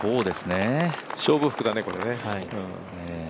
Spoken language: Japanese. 勝負服だね、これ。